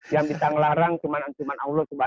yang bisa ngelarang cuman allah cuman allah